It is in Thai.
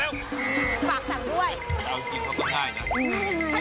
เอาจริงเขาก็ง่ายนะ